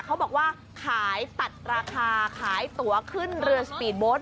เขาบอกว่าขายตัดราคาขายตัวขึ้นเรือสปีดโบสต